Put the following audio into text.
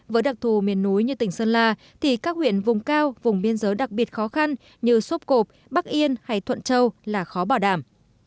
với đặc thù miền núi như tỉnh sơn la thì các huyện vùng cao vùng biên giới đặc biệt khó khăn như sốp cộp bắc yên hay thuận châu là khó bảo đảm